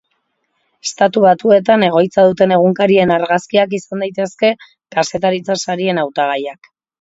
Estatu Batuetan egoitza duten egunkarien argazkiak izan daitezke kazetaritza-sarien hautagaiak.